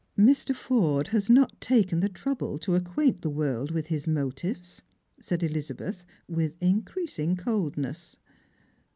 " Mr. Forde has not taken the trouble to acquaint the world with his motives," said Elizabeth with increasing coldness.